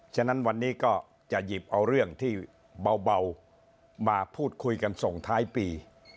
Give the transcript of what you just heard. ฉะนั้นวันนี้ก็จะหยิบเอาเรื่องที่เบามาพูดคุยกันส่งท้ายปี